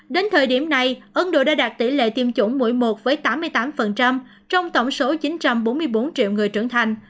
đến thời điểm này ấn độ đã đạt tỷ lệ tiêm chủng mũi một với tám mươi tám trong tổng số chín trăm bốn mươi bốn triệu người trưởng thành